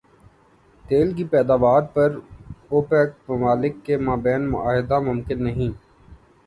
تیل کی پیداوار پر اوپیک ممالک کے مابین معاہدہ ممکن نہیں